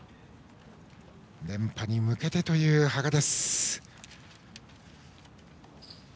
連覇に向けてという羽賀です。